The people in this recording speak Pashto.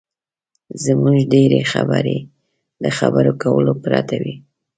زموږ ډېرې خبرې له خبرو کولو پرته وي.